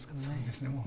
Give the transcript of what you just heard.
そうですね。